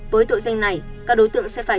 với tội danh này các đối tượng sẽ phải